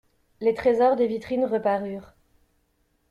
Les trésors des vitrines reparurent.